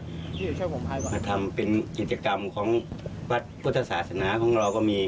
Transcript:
ที่ช่วยผมพายมาทำเป็นกิจกรรมของวัดพุทธศาสนาของเราก็มี